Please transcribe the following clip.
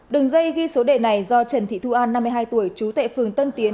đường dây ghi số đề này do trần thị thu an năm mươi hai tuổi trú tại phường tân tiến